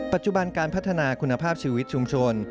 ปัจจุบันการพัฒนาคุณภาพชีวิตชุมชน